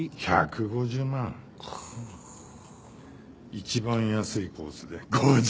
一番安いコースで５０万。